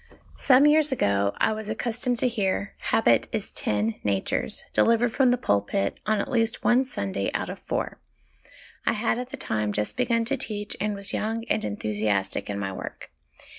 Some years ago I was accustomed to hear, ' Habit is TEN natures/ delivered from the pulpit on at least one Sunday out of four. I had at the time just begun to teach, and was young and enthusiastic in my work.